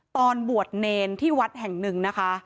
ตอนบวชเนรที่วัดแห่งหนึ่งนะคะ